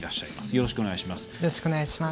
よろしくお願いします。